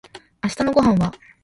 明日のご飯は